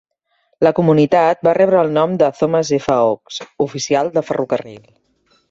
La comunitat va rebre el nom de Thomas F. Oakes, oficial de ferrocarril.